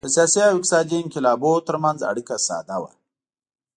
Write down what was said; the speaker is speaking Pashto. د سیاسي او اقتصادي انقلابونو ترمنځ اړیکه ساده وه